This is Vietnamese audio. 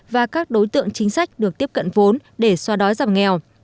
và các đối tượng chính sách được tiếp cận vốn để xoa đói giảm nghèo